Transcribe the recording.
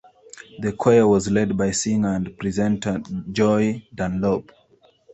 The choir was led by singer and presenter Joy Dunlop.